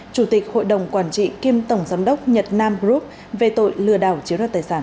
chủ tịch hội đồng quản trị kiêm tổng giám đốc nhật nam group về tội lừa đảo chiếu đoạt tài sản